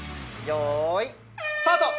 よーいスタート！